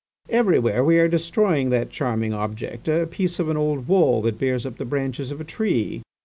Everywhere we are destroying that charming object, a piece of an old wall that bears up the branches of a tree.